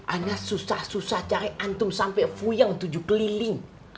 aina susah susah cari antung sampai fuyang tujuh keliling